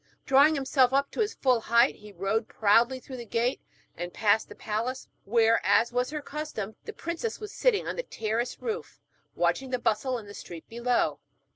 Drawing himself up to his full height, he rode proudly through the gate and past the palace, where, as was her custom, the princess was sitting on the terrace roof, watching the bustle in the street below.